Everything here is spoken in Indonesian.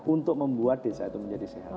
untuk membuat desa itu menjadi sehat